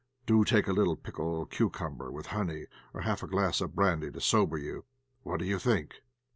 Do take a little pickled cucumber with honey or half a glass of brandy to sober you. What do you think?"